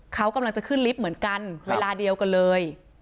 เขากำลังจะขึ้นลิฟต์เหมือนกันเวลาเดียวกันเลย